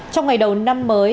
trong ngày đầu năm mới